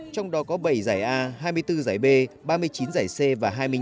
trong đó có bảy giải a hai mươi bốn giải b ba mươi chín giải c và hai mươi năm giải d